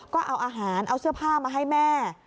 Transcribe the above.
ก็เอาอาหารเอาเสื้อผ้ามาให้แม่